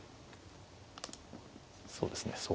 そうですね